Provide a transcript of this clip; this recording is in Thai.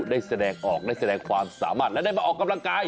ได้แสดงออกได้แสดงความสามารถและได้มาออกกำลังกาย